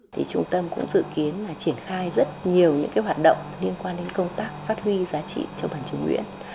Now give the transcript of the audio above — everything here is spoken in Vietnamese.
trung tâm cũng dự kiến triển khai rất nhiều hoạt động liên quan đến công tác phát huy giá trị châu bản chứa nguyễn